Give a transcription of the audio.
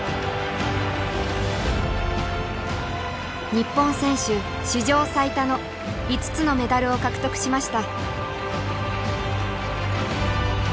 日本選手史上最多の５つのメダルを獲得しました。